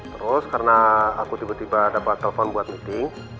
terus karena aku tiba tiba dapat telepon buat meeting